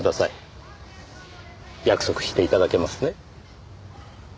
約束して頂けますね？